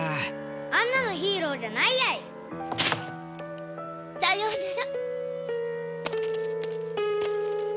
あんなのヒーローじゃないやい！さようなら。